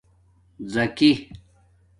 زَکی